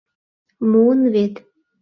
Муын вет.